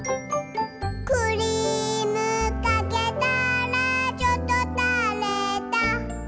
「くりーむかけたらちょっとたれた」